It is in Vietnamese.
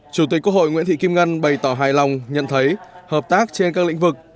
chủ tịch quốc hội nguyễn thị kim ngân bày tỏ hài lòng nhận thấy hợp tác trên các lĩnh vực